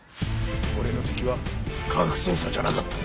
俺の敵は科学捜査じゃなかった。